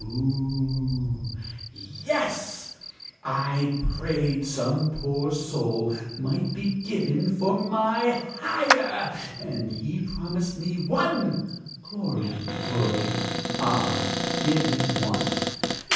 (hooh!) yes! I prayed some poor soul might be given for my hire! and he promised me one! (Glory! glory! ah! give him one!)